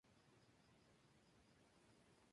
Actúa inhibiendo la síntesis de prostaglandinas.